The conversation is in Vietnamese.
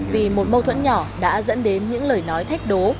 vì một mâu thuẫn nhỏ đã dẫn đến những lời nói thách đố